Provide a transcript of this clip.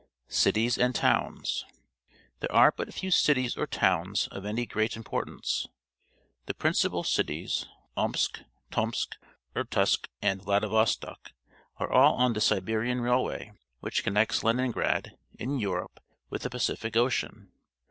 Cities and Towns. — There are but few cities or towns of any great importance. The principal cities — Ovtsk, Tomsk, Irkutsk, and Vladivostok — are all on the Siberian Railway, which connects Leningrad, in Europe, with the Pacific Ocean.